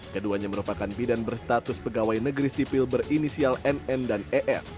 keduanya merupakan bidan berstatus pegawai negeri sipil berinisial nn dan er